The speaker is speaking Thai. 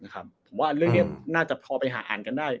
ผมว่าเรื่องนี้น่าจะพอไปหาอ่านกันได้